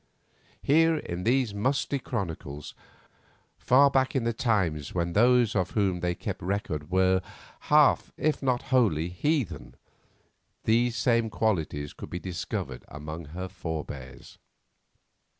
Here in these musty chronicles, far back in the times when those of whom they kept record were half, if not wholly, heathen, these same qualities could be discovered among her forbears.